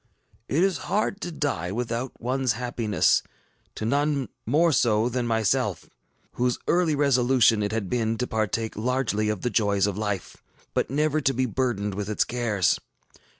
ŌĆ£It is hard to die without oneŌĆÖs happiness; to none more so than myself, whose early resolution it had been to partake largely of the joys of life, but never to be burdened with its cares.